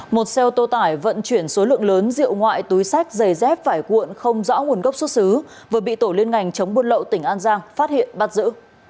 một xe ô tô tải vận chuyển số lượng lớn rượu ngoại túi sách giày dép phải cuộn không rõ nguồn gốc xuất xứ vừa bị tổ liên ngành chống buôn lậu tỉnh an giang phát hiện bắt giữ